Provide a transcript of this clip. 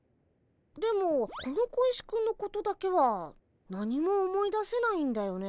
でもこの小石くんのことだけは何も思い出せないんだよね。